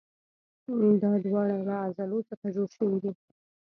دا دواړه له عضلو څخه جوړ شوي دي.